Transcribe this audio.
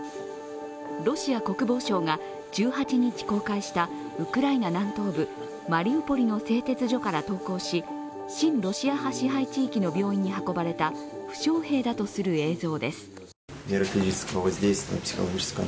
ロシア国防省が１８日公開したウクライナ南東部、マリウポリの製鉄所から投降し親ロシア派支配地域の病院に運ばれた負傷兵だとする映像です。